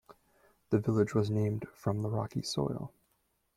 The village was named from the rocky soil.